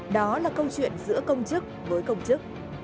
đó là câu chuyện giữa công chức